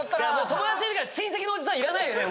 友達いるから親戚のおじさんいらないよね